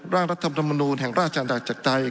ร่างรัฐธรรมนูลแห่งราชอาณจักรใด